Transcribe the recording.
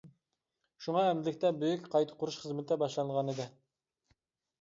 شۇڭا، ئەمدىلىكتە بۈيۈك قايتا قۇرۇش خىزمىتى باشلانغانىدى.